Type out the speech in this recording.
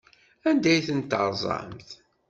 Anda ay tent-terẓamt?